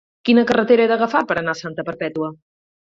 Quina carretera he d'agafar per anar a Santa Perpètua?